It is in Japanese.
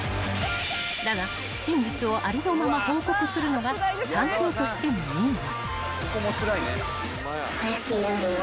［だが真実をありのまま報告するのが探偵としての任務］